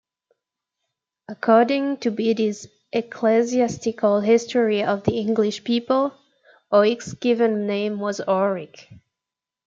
According to Bede's "Ecclesiastical History of the English People", Oisc's given name was Orric.